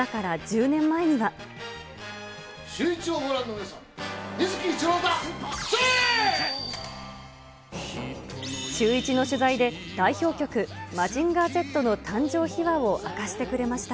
シューイチをご覧の皆さん、シューイチの取材で代表曲、マジンガーＺの誕生秘話を明かしてくれました。